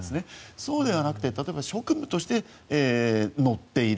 そうではなくて職務として乗っている。